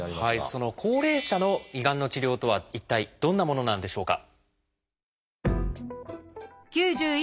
その高齢者の胃がんの治療とは一体どんなものなんでしょうか？